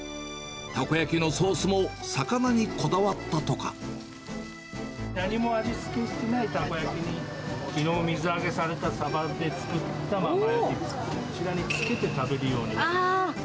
たこ焼きのソースも魚にこだわっ何も味付けしてないたこ焼きに、きのう水揚げされたサバで作ったディップ、こちらにつけて食べるように。